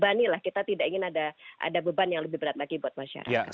beban lah kita tidak ingin ada beban yang lebih berat lagi buat masyarakat